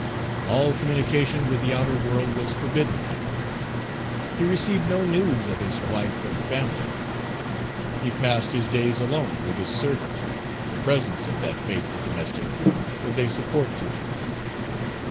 All communication with the outer world was forbidden him. He received no news of his wife and family. He passed his days alone with his servant; the presence of that faithful domestic was a support to him.